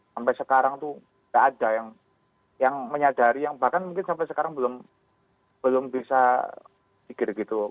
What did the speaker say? sampai sekarang tuh nggak ada yang menyadari yang bahkan mungkin sampai sekarang belum bisa pikir gitu